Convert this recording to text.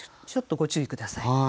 ちょっとご注意下さい。